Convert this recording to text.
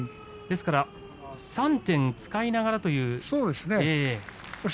ですから３点を使いながらということですね。